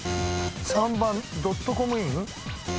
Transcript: ３番ドットコムイン？